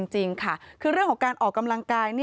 จริงค่ะคือเรื่องของการออกกำลังกาย